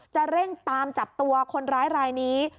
จะเร่งตามจับตัวคนร้ายรายนี้